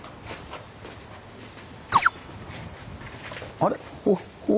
あれ？